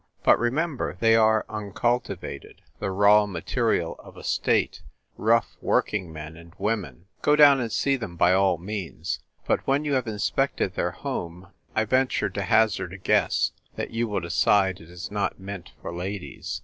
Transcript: But remember, they are uncultivated — the raw material of a state, rough working men and women. Go down and see them by all means. But when you have inspected their home I venture to hazard a guess that you will decide it is not meant for ladies."